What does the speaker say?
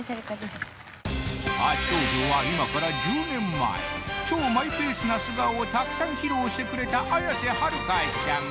初登場は今から１０年前超マイペースな素顔をたくさん披露してくれた綾瀬はるかさん